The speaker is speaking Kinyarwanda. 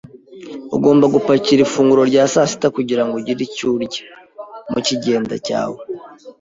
Ugomba gupakira ifunguro rya sasita kugirango ugire icyo urya mukigenda cyawe.